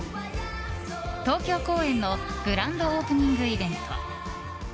東京公演のグランドオープニングイベント。